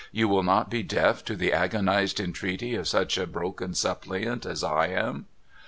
' You will not be deaf to the agonised entreaty of such a broken suppliant as I am